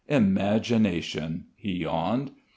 "Imagination," he yawned.